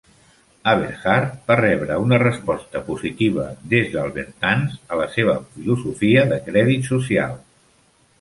Aberhart va rebre una resposta positiva des d'Albertans a la seva filosofia de crèdit social.